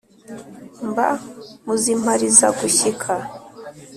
mba mu z'impamirizagushyika